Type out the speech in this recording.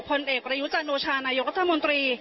ผลเอกประยุทธ์จันทร์โนชานายกฎมนตรี